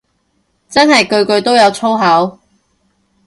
真係句句都有粗口